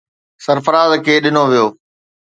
سرفراز کي ڏنو ويو.